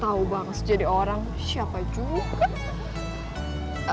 tahu banget jadi orang siapa juga